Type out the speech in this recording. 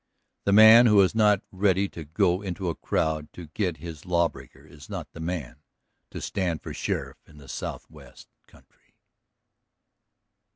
The man who is not ready to go into a crowd to get his law breaker is not the man to stand for sheriff in the southwest country.